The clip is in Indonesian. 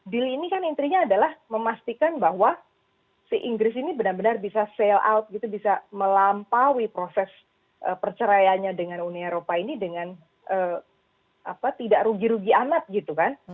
deal ini kan intinya adalah memastikan bahwa si inggris ini benar benar bisa sale out gitu bisa melampaui proses perceraiannya dengan uni eropa ini dengan tidak rugi rugi amat gitu kan